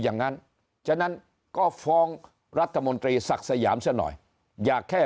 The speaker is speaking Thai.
อย่างนั้นฉะนั้นก็ฟ้องรัฐมนตรีศักดิ์สยามซะหน่อยอย่าแค่